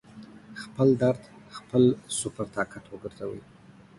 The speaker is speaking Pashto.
خپل درد خپل سُوپر طاقت وګرځوئ